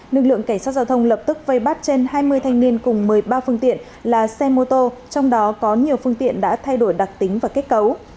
lực lượng cảnh sát giao thông lập tức vây bắt trên hai mươi thanh niên cùng một mươi ba phương tiện là xe mô tô trong đó có nhiều phương tiện đã thay đổi đặc tính và kết cấu